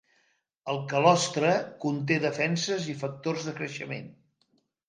El calostre conté defenses i factors de creixement.